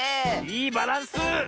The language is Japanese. いいバランス！